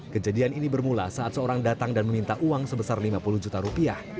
kejadian ini bermula saat seorang datang dan meminta uang sebesar lima puluh juta rupiah